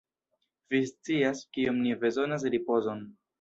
Vi scias, kiom ni bezonas ripozon.